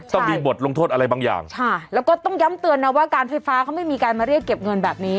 ต้องมีบทลงโทษอะไรบางอย่างค่ะแล้วก็ต้องย้ำเตือนนะว่าการไฟฟ้าเขาไม่มีการมาเรียกเก็บเงินแบบนี้